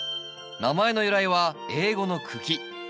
名前の由来は英語の「茎」。